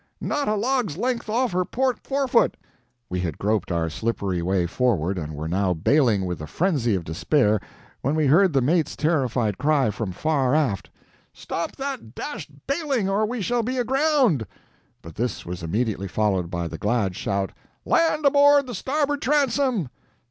"Not a log's length off her port fore foot!" We had groped our slippery way forward, and were now bailing with the frenzy of despair, when we heard the mate's terrified cry, from far aft: "Stop that dashed bailing, or we shall be aground!" But this was immediately followed by the glad shout: "Land aboard the starboard transom!"